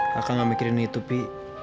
kakak gak mikirin itu pi